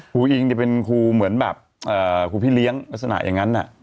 อิงเป็นครูเหมือนแบบครูพี่เลี้ยงลักษณะอย่างนั้น